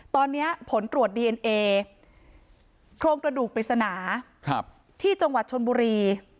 ตอนนี้ผลตรวจดีเอ็นเอโครงกระดูกปริศนาที่จังหวัดชนบุรี